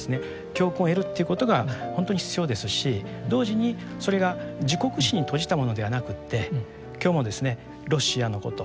教訓を得るということがほんとに必要ですし同時にそれが自国史に閉じたものではなくって今日もですねロシアのこと